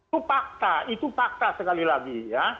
itu fakta itu fakta sekali lagi ya